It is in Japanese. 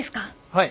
はい。